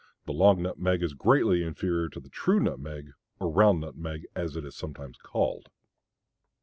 The long nutmeg is greatly inferior to the true nutmeg, or round nutmeg as it is sometimes called.